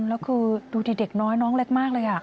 แล้วคือดูดิเด็กน้อยน้องเล็กมากเลย